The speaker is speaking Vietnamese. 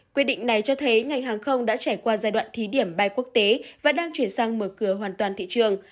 quyết định này cho thấy ngành hàng không đã trải qua giai đoạn thí điểm bay quốc tế và đang chuyển sang mở cửa hoàn toàn thị trường